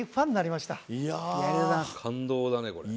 感動だねこれは。